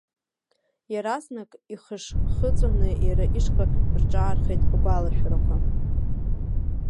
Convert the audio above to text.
Иаразнак ихыш-хыҵәаны иара ишҟа рҿаархеит агәалашәарақәа.